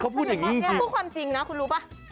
เขาพูดอย่างนี้เขาพูดความจริงนะคุณรู้ป่ะ